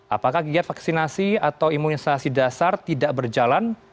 apakah kegiatan vaksinasi atau imunisasi dasar tidak berjalan